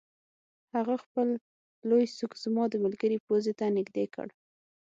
هغه خپل لوی سوک زما د ملګري پوزې ته نږدې کړ